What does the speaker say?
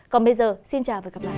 còn bây giờ xin chào và hẹn gặp lại